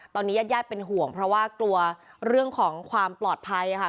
ตอนนี้ญาติญาติเป็นห่วงเพราะว่ากลัวเรื่องของความปลอดภัยค่ะ